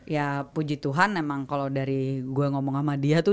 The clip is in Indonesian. ya puji tuhan emang kalau dari gue ngomong sama dia tuh